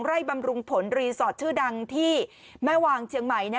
บำรุงผลรีสอร์ทชื่อดังที่แม่วางเชียงใหม่